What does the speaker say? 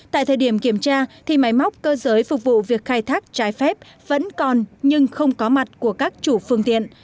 tại thời điểm kiểm tra thì máy móc cơ giới phục vụ việc khai thác trái phép vẫn còn nhưng không có mặt của các chủ phương tiện